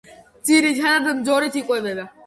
ძირითადად მძორით იკვებება.